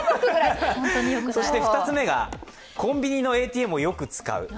そして２つ目が、コンビニのＡＴＭをよく使う。